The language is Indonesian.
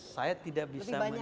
saya tidak bisa menyampaikan